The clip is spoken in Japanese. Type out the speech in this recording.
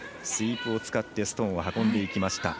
スイープを使ってストーンを運んでいきました。